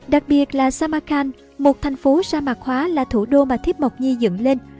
đặc biệt là samakhan một thành phố sa mạc hóa là thủ đô mà thiếp mộc nhi dựng lên